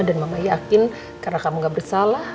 dan mama yakin karena kamu gak bersalah